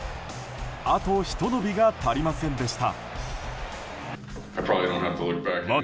あとひと伸びが足りませんでした。